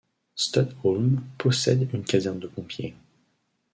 Studholm possède une caserne de pompiers.